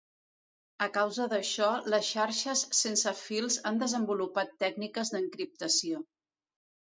A causa d'això les xarxes sense fils han desenvolupat tècniques d'encriptació.